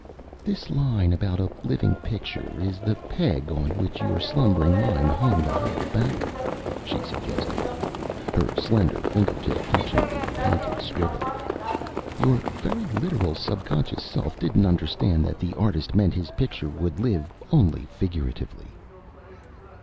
"This line about a 'living picture' is the peg on which your slumbering mind hung the whole fabric," she suggested, her slender fingertip touching the painted scribble. "Your very literal subconscious self didn't understand that the artist meant his picture would live only figuratively."